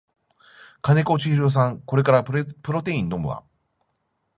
金子千尋さんこれからプロテイン飲むわ